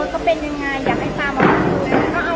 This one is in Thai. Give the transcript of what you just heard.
เขาเป็นยังไงอยากให้ตามออกมา